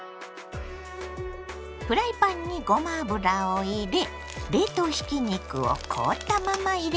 フライパンにごま油を入れ冷凍ひき肉を凍ったまま入れます。